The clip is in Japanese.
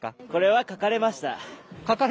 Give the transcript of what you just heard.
これは描かれました。